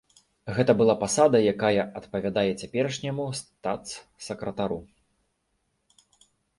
Гэта была пасада, якая адпавядае цяперашняму статс-сакратару.